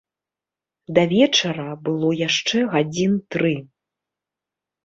Да вечара было яшчэ гадзін тры.